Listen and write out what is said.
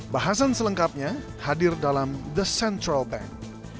bahasan selengkapnya hadir dalam the central bank